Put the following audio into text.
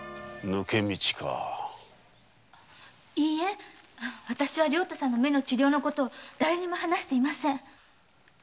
いいえ良太さんの目の治療のことはだれにも話していません。